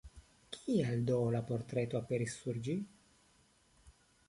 Kial do la portreto aperis sur ĝi?